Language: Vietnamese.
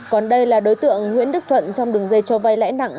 còn đây là đối tượng nguyễn đức thuận trong đường dây cho vay lãi nặng